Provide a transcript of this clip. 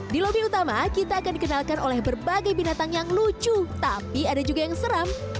di lobi utama kita akan dikenalkan oleh berbagai binatang yang lucu tapi ada juga yang seram